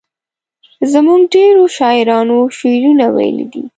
زموږ ډیرو شاعرانو شعرونه ویلي دي.